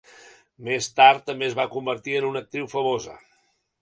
Més tard, també es va convertir en una actriu famosa.